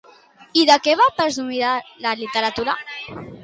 I de què la va persuadir la literatura?